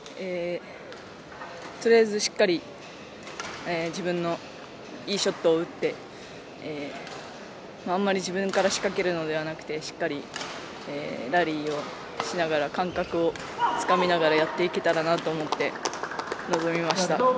とりあえず、しっかり自分のいいショットを打ってあんまり自分から仕掛けるのではなくてしっかりラリーをしながら感覚をつかみながらやっていけたらなと思って臨みました。